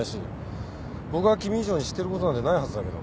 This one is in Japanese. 僕が君以上に知ってることなんてないはずだけど。